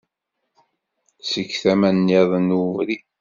Seg tama-nniḍen n ubrid.